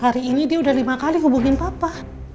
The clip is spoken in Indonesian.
hari ini dia udah lima kali hubungin papa